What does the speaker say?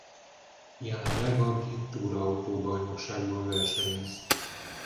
Jelenleg a Brit túraautó-bajnokságban versenyez.